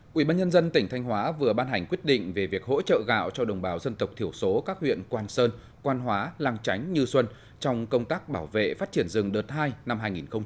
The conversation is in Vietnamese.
quỹ ban nhân dân tỉnh thanh hóa vừa ban hành quyết định về việc hỗ trợ gạo cho đồng bào dân tộc thiểu số các huyện quang sơn quan hóa lang chánh như xuân trong công tác bảo vệ phát triển rừng đợt hai năm hai nghìn hai mươi